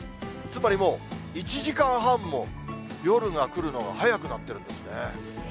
つまりもう、１時間半も夜が来るのが早くなっているんですね。